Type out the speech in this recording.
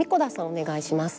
お願いします。